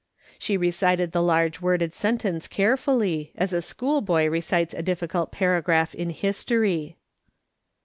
" She recited the large worded sentence carefully, as a schoolboy recites a difficult paragraph in history.